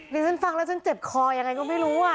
ดิฉันฟังแล้วฉันเจ็บคอยังไงก็ไม่รู้